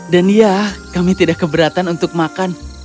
dan ya kami tidak keberatan untuk makan